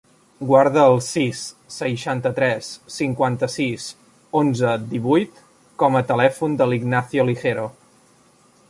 Guarda el sis, seixanta-tres, cinquanta-sis, onze, divuit com a telèfon de l'Ignacio Ligero.